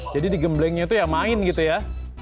jadi digemblengnya itu yang main gitu ya